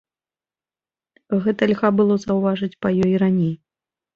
Гэта льга было заўважыць па ёй і раней.